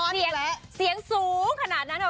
เดี๋ยวก่อนซี๊งสูงขนาดนั้นครับคุณ